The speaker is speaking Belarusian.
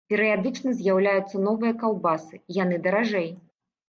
Перыядычна з'яўляюцца новыя каўбасы, яны даражэй.